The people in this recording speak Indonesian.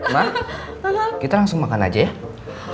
mak kita langsung makan aja ya